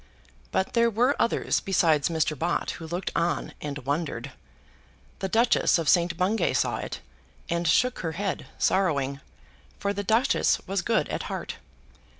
But there were others besides Mr. Bott who looked on and wondered. The Duchess of St. Bungay saw it, and shook her head sorrowing, for the Duchess was good at heart.